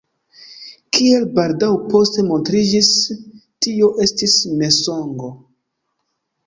Kiel baldaŭ poste montriĝis, tio estis mensogo.